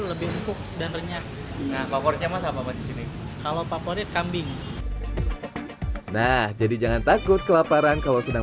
lebih empuk dan renyah nah kalau favorit kambing nah jadi jangan takut kelaparan kalau sedang